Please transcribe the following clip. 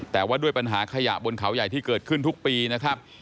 แต่ว่าด้วยปัญหาขยะบนเขาใหญ่ที่เกิดขึ้นทุกปีนะครับ